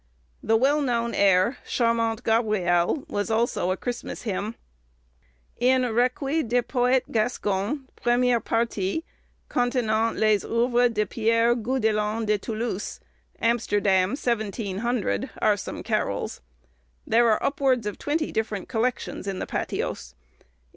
The well known air, 'Charmante Gabrielle,' was also a Christmas hymn. In 'Recueil de Poètes Gascons, première partie, contenant les œuvres de Pierre Goudelin de Toulouse,' Amsterdam, 1700, are some carols. There are upwards of twenty different collections in the patois.